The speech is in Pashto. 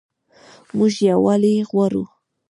موږ یووالی غواړو